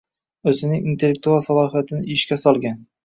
Oʻzining intellektual salohiyatini ishga solgan